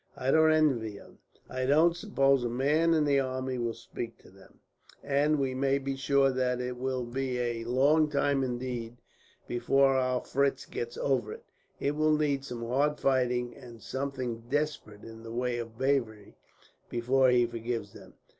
"I don't envy them. I don't suppose a man in the army will speak to them, and we may be sure that it will be a long time, indeed, before our Fritz gets over it. It will need some hard fighting, and something desperate in the way of bravery, before he forgives them.